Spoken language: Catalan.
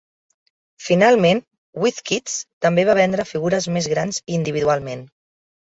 Finalment, Wiz Kids també va vendre figures més grans individualment.